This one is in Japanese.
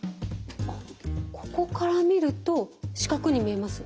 ここから見ると四角に見えます。